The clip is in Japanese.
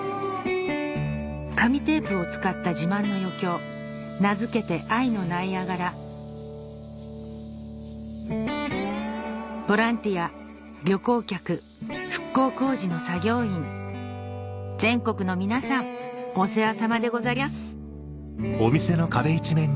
紙テープを使った自慢の余興名付けて「愛のナイアガラ」ボランティア旅行客復興工事の作業員全国の皆さんお世話さまでござりゃす